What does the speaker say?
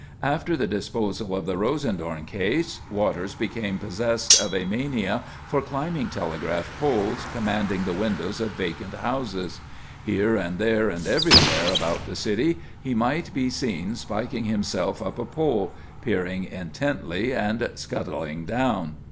After the disposal of the Rosendorn case Waters became possessed of a mania for climbing telegraph poles commanding the windows of vacant houses. Here and there and everywhere about the city he might be seen spiking himself up a pole, peering intently, and scuttling down.